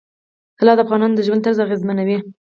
طلا د افغانانو د ژوند طرز اغېزمنوي.